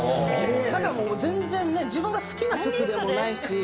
だからもう全然ね自分が好きな曲でもないし。